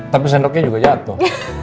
tapi sendoknya juga jatoh